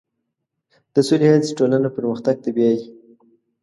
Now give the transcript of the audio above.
د سولې هڅې ټولنه پرمختګ ته بیایي.